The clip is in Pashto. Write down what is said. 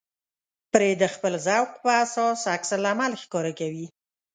پرې د خپل ذوق په اساس عکس العمل ښکاره کوي.